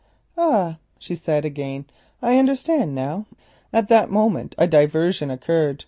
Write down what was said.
"Ah!" she said again, "I understand now." At that moment a diversion occurred.